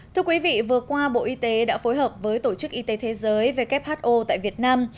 thưa quý vị vừa qua bộ y tế đã phối hợp với tổ chức y tế thế giới who tại việt nam